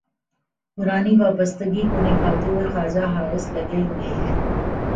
پرانی وابستگی کو نبھاتے ہوئے خواجہ حارث لگے ہوئے ہیں۔